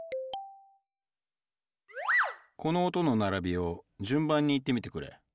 この音の並びを順番に言ってみてくれ。